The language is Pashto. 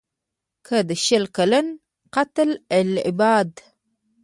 که د شل کلن «قتل العباد»